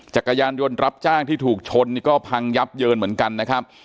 จักรยานยนต์รับจ้างที่ถูกชนนี่ก็พังยับเยินเหมือนกันนะครับ